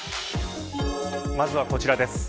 まずはこちらです。